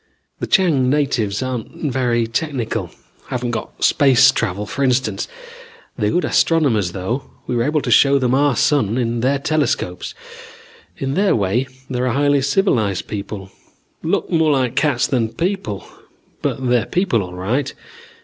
"The Chang natives aren't very technical haven't got space travel for instance. They're good astronomers, though. We were able to show them our sun, in their telescopes. In their way, they're a highly civilized people. Look more like cats than people, but they're people all right.